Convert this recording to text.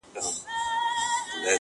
o چي جنگ سوړ سو ، ميرى تود سو!